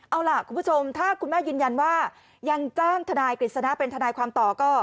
เอาล่ะคุณผู้ชมถ้าคุณแม่ยืนยันว่ายังจ้างทนายกฤษณะเป็นทนายความต่อก็